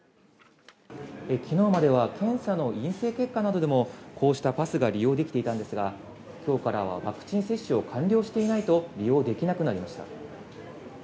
昨日までは検査の陰性結果などでもこうしたパスが利用できていたんですが、今日からはワクチン接種を完了していないと利用できなくなりました。